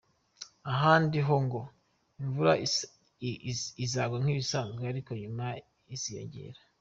Ahandi ho ngo imvura izagwa nk’ibisanzwe ariko nyuma iziyongera.